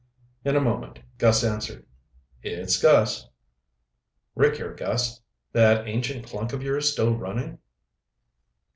In a moment Gus answered. "It's Gus." "Rick here, Gus. That ancient clunk of yours still running?"